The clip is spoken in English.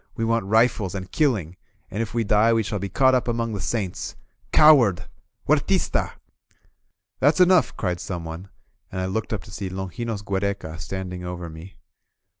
We want rifles and killing, and if we die we shall be caught up among the saints ! Coward ! Huer tista! ••." "That's enough!'' cried someone, and I looked up to see Longinos Giiereca standing over me.